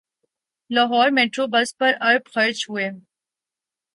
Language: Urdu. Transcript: لاہور میٹروبس پر ارب خرچ ہوئے